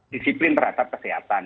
disiplin terhadap kesehatan